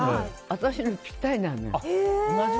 私のぴったりなのよ。